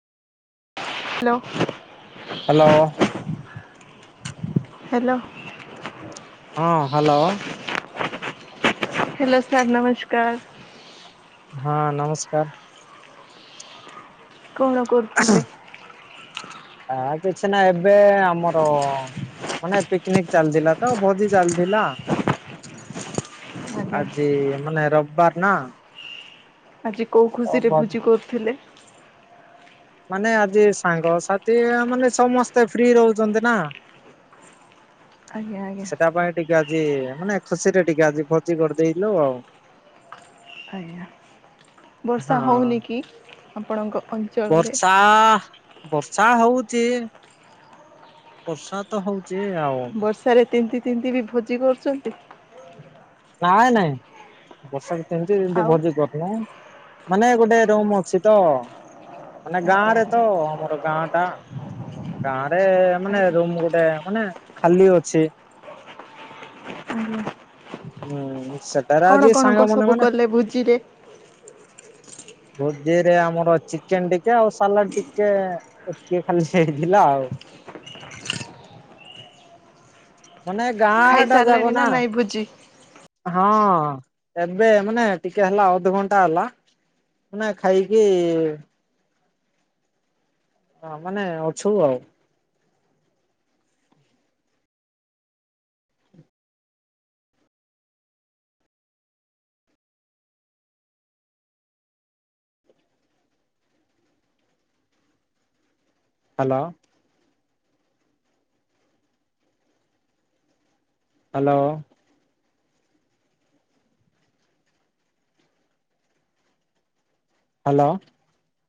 Hello. Hello hello. ହଁ hello. Hello sir ନମସ୍କାର। ହଁ ନମସ୍କାର। କଣ କରୁଥିଲେ? ଆ କିଛି ନା ଏବେ ଆମର ମାନେ ପିକନିକ ଚାଲିଥିଲା ତ ଭୋଜି ଚାଲିଥିଲା। ଆଜ୍ଞା। ଆଜି ମାନେ ରବବାର ନା। ଆଜି କେଉଁ ଖୁସିରେ ଭୋଜି କରୁଥିଲେ? ମାନେ ଆଜି ସାଙ୍ଗସାଥି ମାନେ ସମସ୍ତେ ଫ୍ରି ରହୁଚନ୍ତି ନା। ଆଜ୍ଞା ଆଜ୍ଞା ସେଟା ପାଇଁ ଟିକେ ଆଜି ମାନେ ଖୁସିରେ ଟିକେ ଆଜି ଭୋଜି କରିଦେଇଚୁ ଆଉ। ଆଜ୍ଞା ବର୍ଷା ହଁ ହେଉନି କି ଆପଣଙ୍କ ଅ ବର୍ଷା ବର୍ଷା ହଉଚି। ବର୍ଷା ତ ହଉଚି ଆଉ ର୍ଷା ରେ ତିନ୍ତି ତିନ୍ତି ବି ଭୋଜି କରୁଚନ୍ତି? ନାଇଁ ନାଇଁ ବର୍ଷା ବି ସେମିତି ଆଉ [unintelligible] ମାନେ ଗୋଟେ ରୁମ ଅଛି ତ ମାନେ ଗାଁ ଆଜ୍ଞା ରେ ତ ଆଜ୍ଞା। ଆମର ଗାଁ ଟା ଗାଁ ରେ ମାନେ ଆଜ୍ଞା ରୁମ ଗୋଟେ ମାନେ ଖାଲି ଅଛି। ହୁଁ ହୁ। ହୁଁ ସେଟାରେ ଆଜି ସାଙ୍ଗ ମନେ ମାନେ ଏ ଭୋଜିରେ ଭୋଜିରେ ଆମର ଚିକେନ ଟିକେ ଆଉ ସାଲାଡ ଟିକେ ଏତିକି ଖାଲି ହେଇଥିଲା ଆଉ। ମାନେ ଗାଁ ଟା ଜାକ ଖାଇସାରିଲେଣି ନା। ନାଇଁ ଭୋଜି? ହଁ ଏବେ ମାନେ ଟିକେ ହେଲା ଅଧଘଣ୍ଟା ହେଲା ନା ଖାଇକି ହଁ ମାନେ ଅଛୁ ଆଉ। ହ୍ୟାଲୋ। ହ୍ୟାଲୋ। ହ୍ୟାଲୋ।